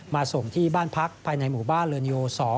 ส่งที่บ้านพักภายในหมู่บ้านเลินโย๒